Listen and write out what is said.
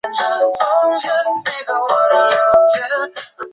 东汉永初元年犍为郡移治武阳县。